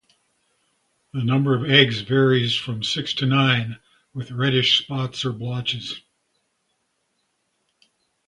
The number of eggs varies from six to nine, with reddish spots or blotche.